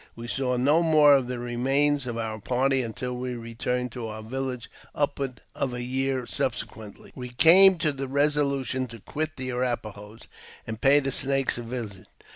We saw no more of the remains of our party until we returned to our village upward of a year subsequently. W^e came to the resolution to quit the Arrap a hos, and pay the Snakes a visit.